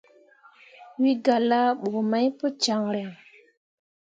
Wǝ gah laaɓu mai pu caŋryaŋ.